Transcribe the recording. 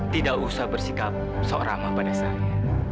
tidak usah bersikap soeramah pada saya